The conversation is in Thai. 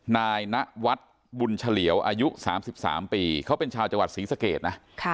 นายนวัฒน์บุญเฉลี่ยวอายุ๓๓ปีเขาเป็นชาวจังหวัดศรีสเกตนะ